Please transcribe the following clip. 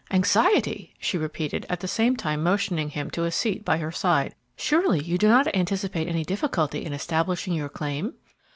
"Anxiety!" she repeated, at the same time motioning him to a seat by her side. "Surely you do not anticipate any difficulty in establishing your claim?"